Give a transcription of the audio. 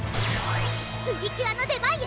プリキュアの出番よ